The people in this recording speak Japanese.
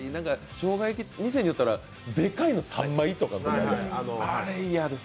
しょうが焼き、店によったらでかいの３枚とか、あれ嫌です。